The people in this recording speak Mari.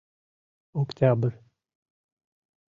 Октябрь.